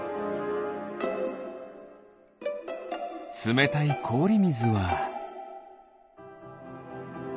つめたいこおりみずは。